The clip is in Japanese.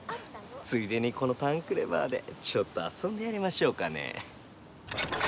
ついでにこのタンクレバーでちょっとあそんでやりましょうかねえ。